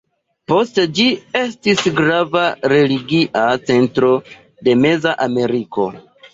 Poste ĝi estis grava religia centro de Meza Ameriko.